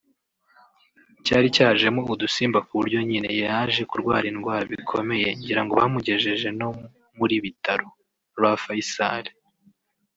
cyari cyajemo udusimba kuburyo nyine yaje kurwara indwara bikomeye ngira ngo bamugejeje no muri (bitaro) Roi Faisal